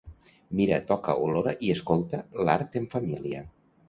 Mira, toca, olora i escolta l'art en família.